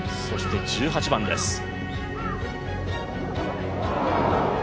そして、１８番です。